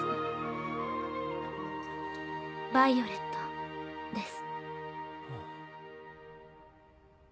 ヴァイオレットです。